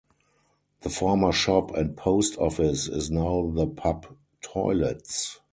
The former shop and post office is now the pub toilets.